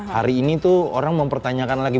hari ini tuh orang mempertanyakan lagi